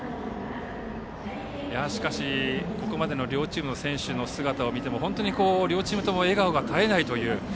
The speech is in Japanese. しかし、ここまでの両チームの選手の姿を見ても本当に両チームとも笑顔が絶えないという。